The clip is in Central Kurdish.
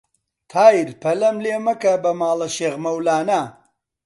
تایر پەلەم لێ مەکە بە ماڵە شێخ مەولانە